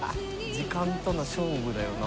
時間との勝負だよな。